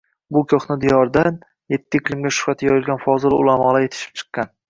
Bu ko‘hna diyordan yetti iqlimga shuhrati yoyilgan fozilu ulamolar yetishib chiqqan.